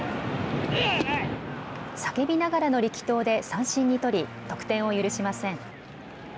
叫びながらの力投で三振に取り得点を許しません。